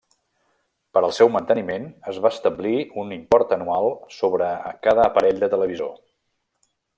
Per al seu manteniment es va establir un import anual sobre cada aparell de televisor.